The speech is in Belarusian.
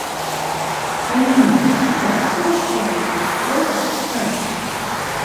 Калі не, то як вы сумяшчаеце гастролі з працай?